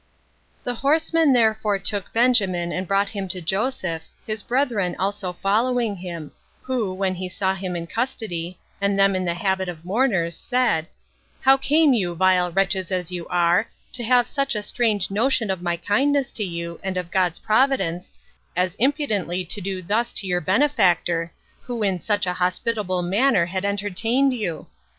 8. The horsemen therefore took Benjamin and brought him to Joseph, his brethren also following him; who, when he saw him in custody, and them in the habit of mourners, said, "How came you, vile wretches as you are, to have such a strange notion of my kindness to you, and of God's providence, as impudently to do thus to your benefactor, who in such an hospitable manner had entertained you?"